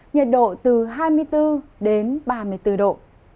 nhiệt độ từ hai mươi bốn đến ba mươi bốn độ